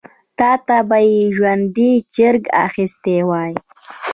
تا ته به مي ژوندی چرګ اخیستی وای .